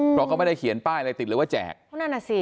เพราะเขาไม่ได้เขียนป้ายอะไรติดเลยว่าแจกเพราะนั่นน่ะสิ